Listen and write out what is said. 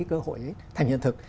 cơ hội thành hiện thực